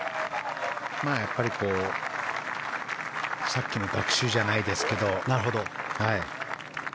やっぱりさっきの学習じゃないですけど。